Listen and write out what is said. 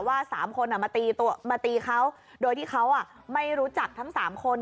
สามคนมาตีเขาโดยที่เขาไม่รู้จักทั้งสามคน